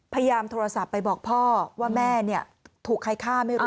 พยายามโทรศัพท์ไปบอกพ่อว่าแม่ถูกใครฆ่าไม่รู้